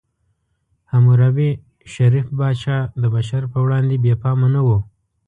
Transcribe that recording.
حموربي، شریف پاچا، د بشر په وړاندې بې پامه نه و.